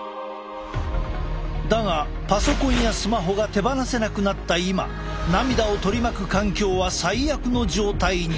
だがパソコンやスマホが手放せなくなった今涙を取り巻く環境は最悪の状態に。